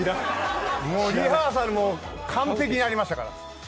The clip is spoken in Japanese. リハーサルも完璧にやりましたから。